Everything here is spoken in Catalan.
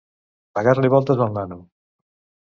Pegar-li voltes al nano.